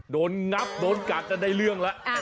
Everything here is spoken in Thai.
งับโดนกัดจนได้เรื่องแล้ว